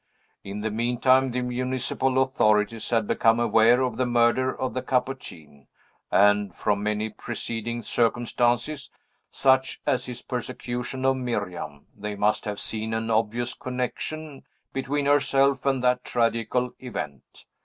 In the meantime, the municipal authorities had become aware of the murder of the Capuchin; and from many preceding circumstances, such as his persecution of Miriam, they must have seen an obvious connection between herself and that tragical event.